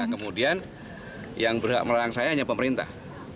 kemudian yang berhak melangsangnya hanya pemerintah